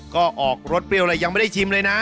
ก็ออกรสเปรี้ยวเลยยังไม่ได้ชิมเลยนะ